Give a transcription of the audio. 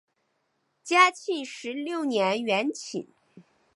嘉庆十六年园寝。